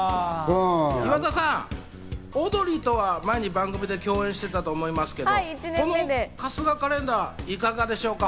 岩田さん、オードリーとは前に番組で共演していたと思いますけど『春日カレンダー』いかがでしょうか？